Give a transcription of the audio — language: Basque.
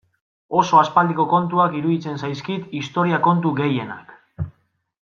Oso aspaldiko kontuak iruditzen zaizkit historia kontu gehienak.